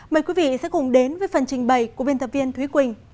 mời quý vị sẽ cùng đến với phần trình bày của biên tập viên thúy quỳnh